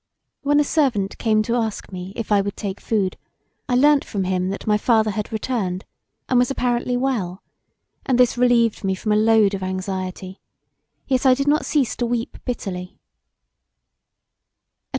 When a servant came to ask me if I would take food I learnt from him that my father had returned, and was apparently well and this relieved me from a load of anxiety, yet I did not cease to weep bitterly.